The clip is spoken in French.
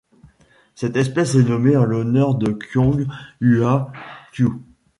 Cette espèce est nommée en l'honneur de Qiong-hua Qiu.